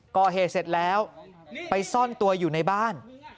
ก่อเหตุเสร็จแล้วไปซ่อนตัวอยู่ในบ้าน